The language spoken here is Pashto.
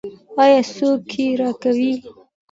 آیا څوک یې راکوي؟